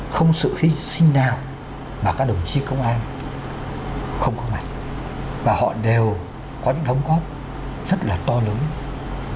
không sự hy sinh nào mà các đồng chí công an không có mạch và họ đều có những đóng góp rất là to lớn vào những thành quả chung